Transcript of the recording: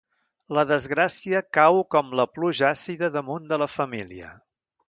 La desgràcia cau com la pluja àcida damunt de la família.